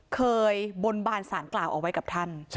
เคยบนบานสารกล่าวเอาไว้กับท่าน